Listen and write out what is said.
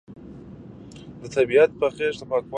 د طبیعت په غېږ کې پاکوالي ته پام وکړئ.